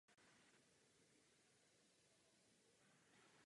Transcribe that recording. Všechny tyto skupiny přetrvávají do současnosti.